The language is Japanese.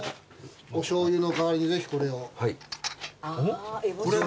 おしょうゆの代わりにぜひこれを。